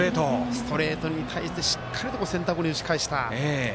ストレートに対してしっかりセンターに打ち返した。